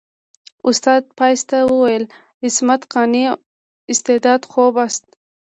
استاد فایز ته وویل عصمت قانع استعداد خوب است.